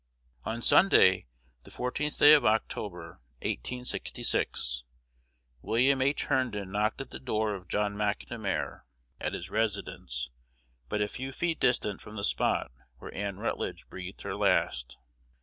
On Sunday, the fourteenth day of October, 1866, William H. Herndon knocked at the door of John McNamar, at his residence, but a few feet distant from the spot where Ann Rutledge breathed her last.